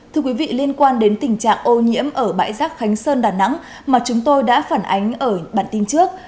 thưa quý vị liên quan đến tình trạng ô nhiễm ở bãi rác khánh sơn đà nẵng mà chúng tôi đã phản ánh ở bản tin trước